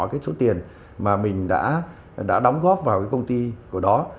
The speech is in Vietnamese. cái số tiền mà mình đã đóng góp vào cái công ty của đó